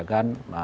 beliau ini komunik